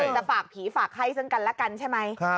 จะฝากผีฝากให้ซึ่งกันและกันใช่ไหม